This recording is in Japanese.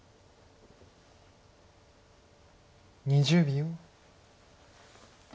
２０秒。